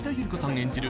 演じる